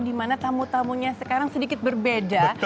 dimana tamu tamunya sekarang sedikit berbeda